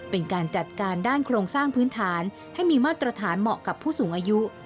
เป็นการจัดการด้านโครงสร้างพื้นฐานให้มีมาตรฐานเหมาะกับผู้สูงอายุ